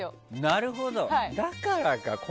なるほど、だからか。